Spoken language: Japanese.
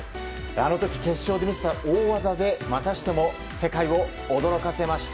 あの時、決勝で見せた大技でまたしても世界を驚かせました。